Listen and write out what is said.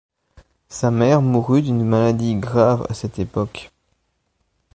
Sa mère mourut d'une maladie grave à cette époque.